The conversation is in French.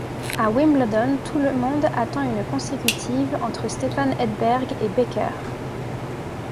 À Wimbledon, tout le monde attend une consécutive entre Stefan Edberg et Becker.